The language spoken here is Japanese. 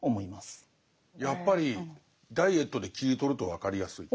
やっぱりダイエットで切り取ると分かりやすい。